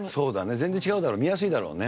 全然違う見やすいだろうね。